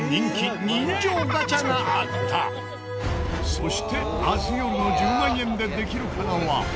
そして明日よるの『１０万円でできるかな』は。